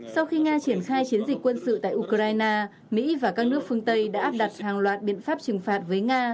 sau khi nga triển khai chiến dịch quân sự tại ukraine mỹ và các nước phương tây đã áp đặt hàng loạt biện pháp trừng phạt với nga